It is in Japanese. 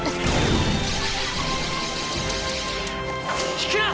引くな！